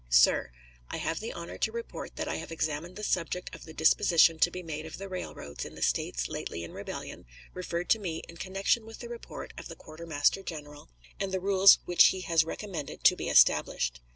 SIR: I have the honor to report that I have examined the subject of the disposition to be made of the railroads in the States lately in rebellion, referred to me in connection with the report of the quartermaster general, and the rules which he has recommended to be established.